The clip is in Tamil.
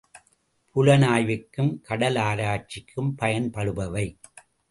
புலனாய்வுக்கும் கடலாராய்ச்சிக்கும் பயன்படுபவை.